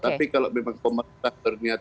tapi kalau memang pemerintah berniat